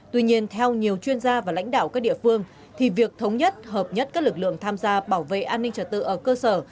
tuy nhiên theo nhiều chuyên gia và lãnh đạo các địa phương thì việc thống nhất hợp nhất các lực lượng tham gia bảo vệ an ninh trật tự ở cơ sở